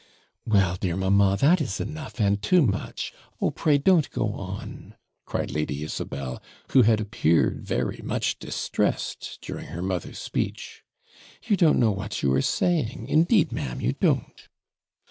'Well, dear mamma, that is enough, and too much. Oh! pray don't go on,' cried Lady Isabel, who had appeared very much distressed during her mother's speech. 'You don't know what you are saying; indeed, ma'am, you don't.'